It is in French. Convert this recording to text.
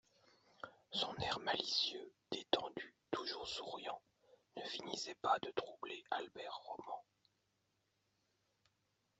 Son air malicieux, détendu, toujours souriant, ne finissait pas de troubler Albert Roman.